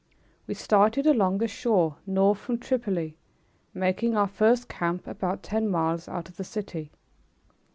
We started along the shore north from Tripoli, making our first camp about ten miles out of the city.